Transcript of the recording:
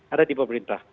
ada di pemerintah